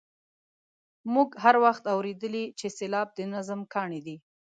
موږ هر وخت اورېدلي چې سېلاب د نظم کاڼی دی.